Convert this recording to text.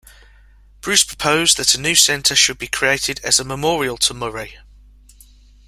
Bruce proposed that a new centre should be created as a memorial to Murray.